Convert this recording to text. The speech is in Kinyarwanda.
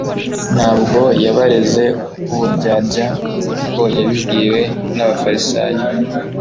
Ntabwo yabareze uburyarya nk'uko yabibwiye abafarisayo,